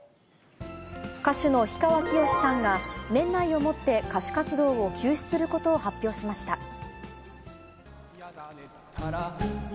歌手の氷川きよしさんが、年内をもって歌手活動を休止することを発表しました。